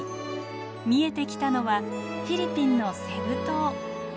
見えてきたのはフィリピンのセブ島。